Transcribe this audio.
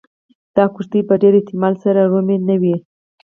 دا کښتۍ په ډېر احتمال سره رومي نه وې